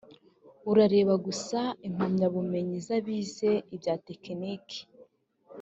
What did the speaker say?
urareba gusa impamyabumenyi z abize ibya tekiniki